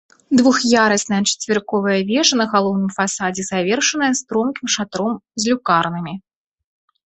Двух'ярусная чацверыковая вежа на галоўным фасадзе завершаная стромкім шатром з люкарнамі.